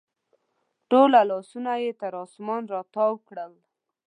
ټوله لاسونه یې تر اسمان راتاو کړل